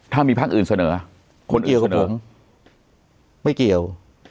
ถ้ามีภาคอื่นเสนอคนอื่นเสนอคนเกี่ยวกับผมไม่เกี่ยว